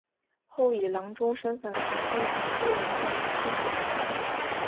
后以郎中身份跟从朱文正镇守南昌。